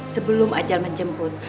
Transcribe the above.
sebelum ajal menjemput